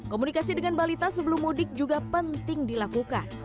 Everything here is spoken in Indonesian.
komunikasi dengan balita sebelum mudik juga penting dilakukan